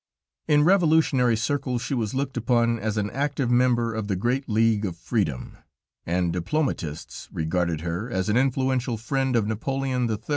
In revolutionary circles, she was looked upon as an active member of the great League of Freedom, and diplomatists regarded her as an influential friend of Napoleon III.